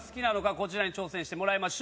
こちらに挑戦してもらいます。